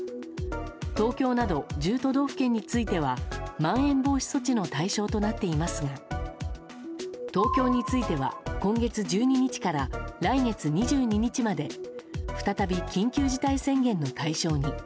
東京など１０都道府県についてはまん延防止措置の対象となっていますが東京については今月１２日から来月２２日まで再び緊急事態宣言の対象に。